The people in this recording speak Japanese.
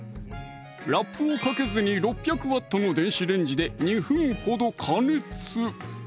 ラップをかけずに６００Ｗの電子レンジで２分ほど加熱！